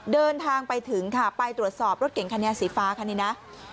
เดินทางไปถึงค่ะไปตรวจสอบรถเก่งคันนี้สีฟ้าคันนี้นะ